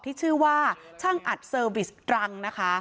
ที่ชื่อว่าช่างอัดเซอร์วิสตรังนะคะ